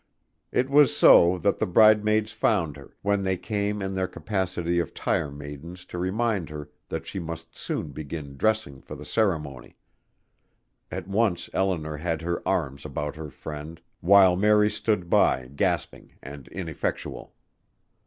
It was so that the bridesmaids found her when they came in their capacity of tire maidens to remind her that she must soon begin dressing for the ceremony. At once Eleanor had her arms about her friend, while Mary stood by gasping and ineffectual.